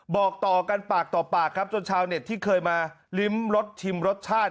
บอกต่อกันปากต่อปากครับจนชาวเน็ตที่เคยมาลิ้มรสชิมรสชาติ